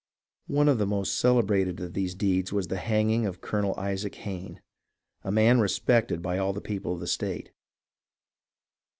One of the most celebrated of these deeds was the hang ing of Colonel Isaac Hayne, a man respected by all the people of the state.